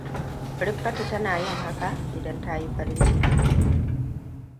Rifkatu tana yin hakan idan ta yi farin ciki.